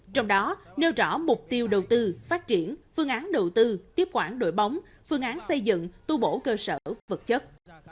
trong đó nêu rõ mục tiêu đầu tư phát triển phương án đầu tư tiếp quản đội bóng phương án xây dựng tu bổ cơ sở vật chất